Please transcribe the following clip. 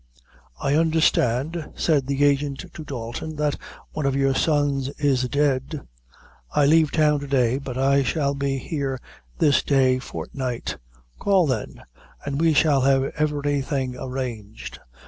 "I understand," said the agent to Dalton, "that one of your sons is dead. I leave town to day, but I shall be here this day fortnight; call then, and we shall have every thing arranged.